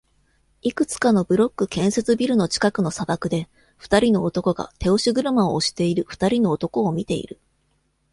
いくつかのブロック建設ビルの近くの砂漠で、二人の男が手押し車を押している二人の男を見ている